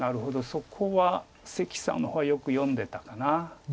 そこは関さんの方はよく読んでたかな。